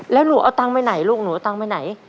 แล้วหนูเอาตังค์ไปไหนลูกหนูเอาตังค์ไปไหน